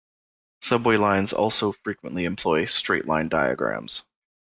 Subway lines also frequently employ straight-line diagrams.